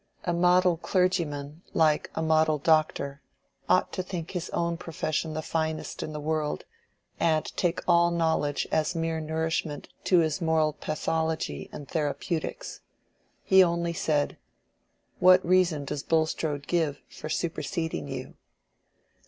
A model clergyman, like a model doctor, ought to think his own profession the finest in the world, and take all knowledge as mere nourishment to his moral pathology and therapeutics. He only said, "What reason does Bulstrode give for superseding you?"